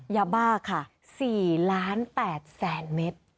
อย่าบ้าค่ะ๔ล้าน๘แสนเมตร